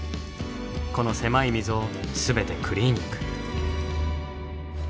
この狭い溝を全てクリーニング。